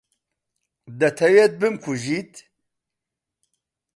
دەتەوێت بمکوژیت؟